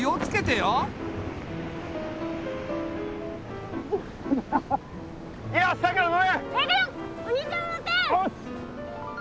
よし！